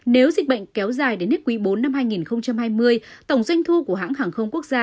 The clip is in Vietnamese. nếu dịch bệnh kéo dài đến hết quý bốn năm hai nghìn hai mươi tổng doanh thu của hãng hàng không quốc gia